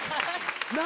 何？